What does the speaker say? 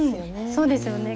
そうですよね